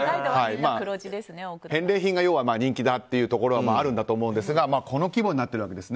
返礼品が要は人気だということもあると思うんですがこの規模になってるわけです。